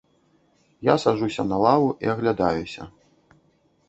Я саджуся на лаву і аглядаюся.